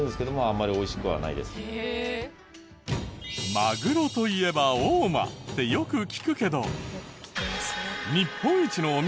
マグロといえば大間ってよく聞くけど。